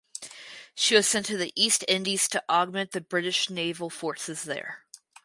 She was sent to the East Indies to augment the British naval forces there.